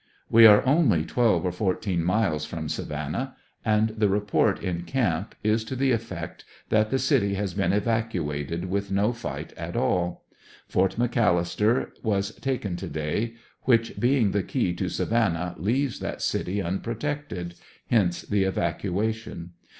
We are only twelve or fourteen miles from Savannah and the report in camp is to the effect that the city has been evacuated with no fight at all. Fort McAllister was taken to day, which being the key to Savannah, leaves that city unprotected, hence the evacuation.